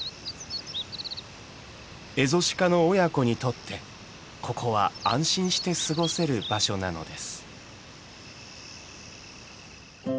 エゾシカの親子にとってここは安心して過ごせる場所なのです。